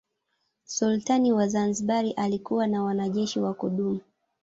Sultani wa Zanzibar alikuwa na wanajeshi wa kudumu.